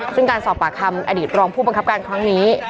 ซึ่งการสอบปากคำอดีตรองผู้บังคับการครั้งนี้